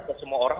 tidak semua orang